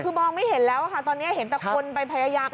คือมองไม่เห็นแล้วค่ะตอนนี้เห็นแต่คนไปพยายาม